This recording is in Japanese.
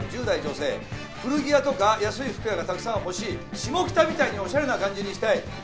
１０代女性」「古着屋とか安い服屋がたくさん欲しい」「下北みたいにおしゃれな感じにしたい。